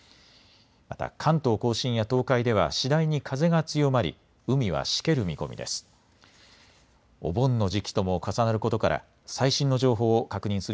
また関東甲信や東海では次第に風が強まり海はしける見込みです。